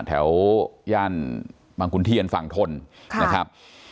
แถวย่านบางขุนเทียนฝั่งทนนะครับ